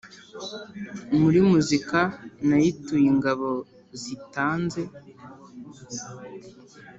muri muzika Nayituye Ingabo zitanze